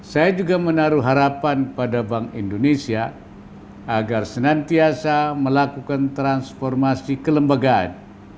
saya juga menaruh harapan pada bank indonesia agar senantiasa melakukan transformasi kelembagaan